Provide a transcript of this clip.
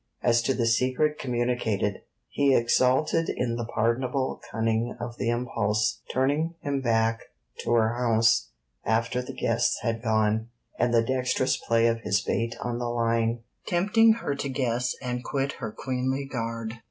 As to the secret communicated, he exulted in the pardonable cunning of the impulse turning him back to her house after the guests had gone, and the dexterous play of his bait on the line, tempting her to guess and quit her queenly guard.